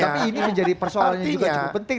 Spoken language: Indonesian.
tapi ini menjadi persoalannya juga cukup penting